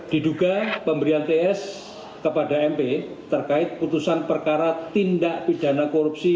diduga pemberian ts kepada mp terkait putusan perkara tindak pidana korupsi